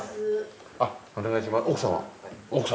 あっお願いします奥様？